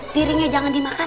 tiringnya jangan dimakan